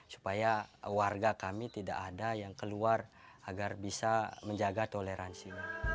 supaya warga kami tidak ada yang keluar agar bisa menjaga toleransi